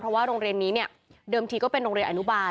เพราะว่าโรงเรียนนี้เนี่ยเดิมทีก็เป็นโรงเรียนอนุบาล